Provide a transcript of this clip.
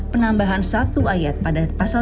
penambahan satu ayat pada pasal dua puluh tiga